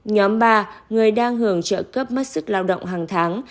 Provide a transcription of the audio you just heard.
nhóm ba người đang hưởng trợ cấp mất sức lao động hàng tháng